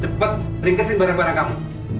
cepet ringkasin barang barang kamu